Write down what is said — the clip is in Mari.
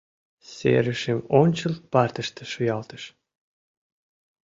Серышым ончыл партыште шуялтыш.